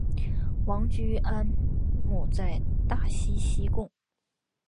王居安墓在大溪西贡。